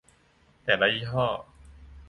แต่ละยี่ห้อ